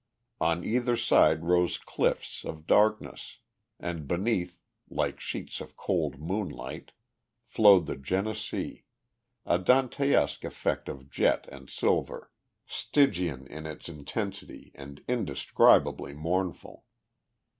On either side rose cliffs of darkness, and beneath, like sheets of cold moonlight, flowed the Genesee, a Dantesque effect of jet and silver, Stygian in its intensity and indescribably mournful.